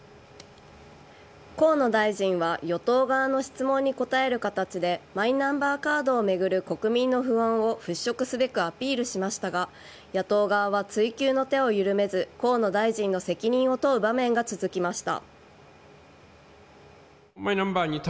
河野大臣は与党側の質問に答える形でマイナンバーカードを巡る国民の不安を払拭すべくアピールしましたが野党側は追及の手を緩めず河野大臣の責任を問う場面が続きました。